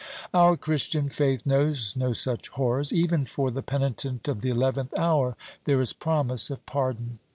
Our Christian faith knows no such horrors. Even for the penitent of the eleventh hour there is promise of pardon.